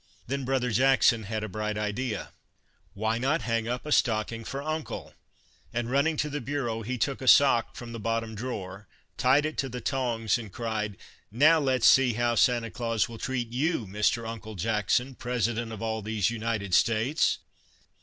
Then brother Jackson had a bright idea. " Why not hang up a stocking for Uncle ?" and Christmas Under Three Flags running" to the Bureau he took a sock from the bottom drawer, tied it to the tongs and cried :" Now let 's see how Sancta Claus will treat you, Mr. Uncle Jackson, President of all these United States